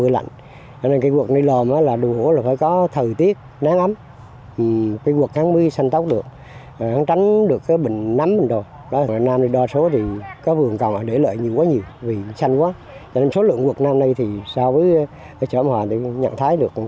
sau với chỗ ông hòa thì nhận thái được